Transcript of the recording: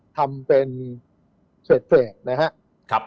ทำเป็นเฟสนะครับ